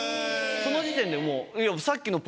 その時点でもう。